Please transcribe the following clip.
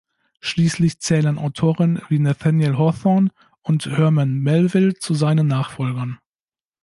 Schließlich zählen Autoren wie Nathaniel Hawthorne und Herman Melville zu seinen Nachfolgern.